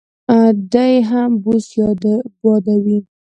دی هم بوس بادوي.